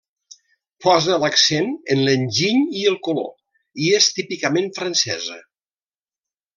Posa l'accent en l'enginy i el color, i és típicament francesa.